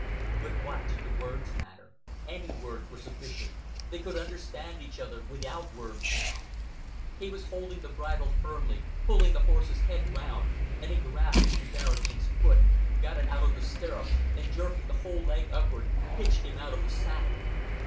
But what did the words matter? Any words were sufficient. They could understand each other without words now. He was holding the bridle firmly, pulling the horse's head round; and he grasped Mr. Barradine's foot, got it out of the stirrup, and jerking the whole leg upward, pitched him out of the saddle.